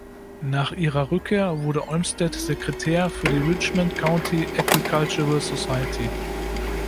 Nach ihrer Rückkehr wurde Olmsted Sekretär für die "Richmond County Agricultural Society".